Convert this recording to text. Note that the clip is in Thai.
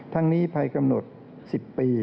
ทั้งนี้ภายกำหนด๑๐ปี